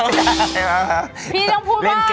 แล้วคุณพูดกับอันนี้ก็ไม่รู้นะผมว่ามันความเป็นส่วนตัวซึ่งกัน